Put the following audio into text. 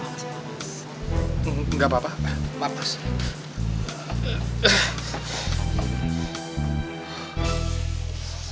gantengan pacar bu devi